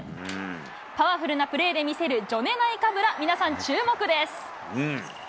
パワフルなプレーで見せるジョネ・ナイカブラ、皆さん、注目です。